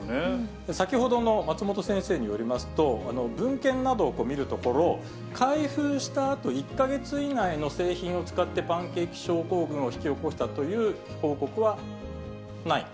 先ほどの松本先生によりますと、文献などを見るところ、開封したあと１か月以内の製品を使って、パンケーキ症候群を引き起こしたという報告はない。